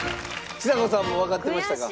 ちさ子さんもわかってましたか？